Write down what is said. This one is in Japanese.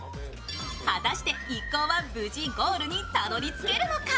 果たして一行は無事ゴールにたどり着けるのか。